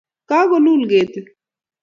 Kakolul ketit